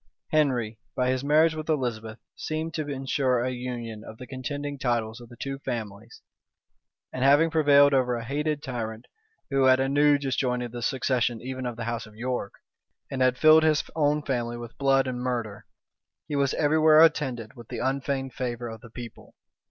Henry, by his marriage with Elizabeth, seemed to insure a union of the contending titles of the two families; and having prevailed over a hated tyrant, who had anew disjointed the succession even of the house of York, and had filled his own family with blood and murder, he was every where attended with the unfeigned favor of the people.